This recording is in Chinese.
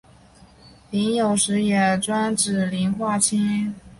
膦有时也专指磷化氢。